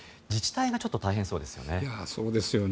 自治体がちょっと大変そうですよね。